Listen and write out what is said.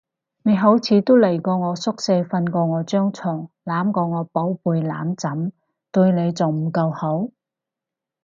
你好似都嚟我宿舍瞓過我張床，攬過我寶貝攬枕，對你仲唔夠好？